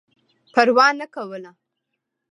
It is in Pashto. پروا نه کوله.